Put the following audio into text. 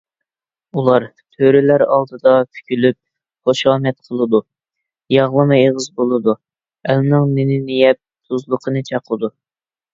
ئۇلار تۆرىلەر ئالدىدا پۈكۈلۈپ، خۇشامەت قىلىدۇ، ياغلىما ئېغىز بولىدۇ، ئەلنىڭ نېنىنى يەپ، تۇزلۇقىنى چاقىدۇ.